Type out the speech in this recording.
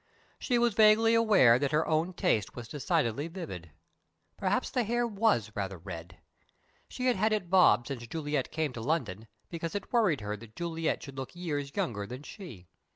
She was vaguely aware that her own taste was decidedly vivid. Perhaps the hair was rather red! She had had it "bobbed" since Juliet came to London, because it worried her that Juliet should look years younger than she.